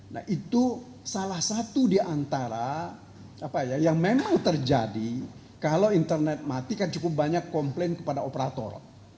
nah itu salah satu diantara yang memang terjadi kalau internet mati kan cukup banyak komplain kepada operator